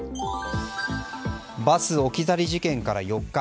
バス置き去り事件から４日。